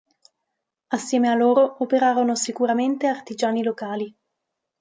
Assieme a loro, operarono sicuramente artigiani locali.